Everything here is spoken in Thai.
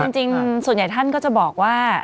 จริงส่วนใหญ่ท่านก็จะบอกว่า